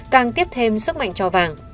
càng tiếp thêm sức mạnh cho vàng